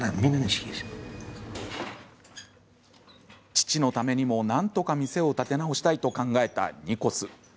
父のためにも、なんとか店を立て直したいと考えたニコス。